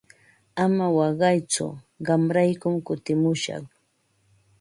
Ama waqaytsu qamraykum kutimushaq.